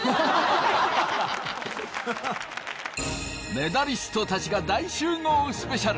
メダリストたちが大集合スペシャル。